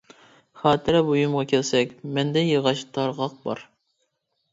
خاتىرە بۇيۇمغا كەلسەك، مەندە ياغاچ تارغاق بار.